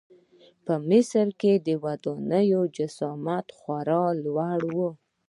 په مصر کې د ودانیو جسامت خورا لوی و.